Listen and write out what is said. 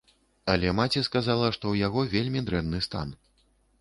Але маці сказала, што ў яго вельмі дрэнны стан.